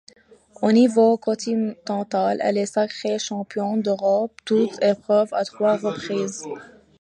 Au niveau continental, elle est sacrée championne d'Europe toutes épreuves à trois reprises.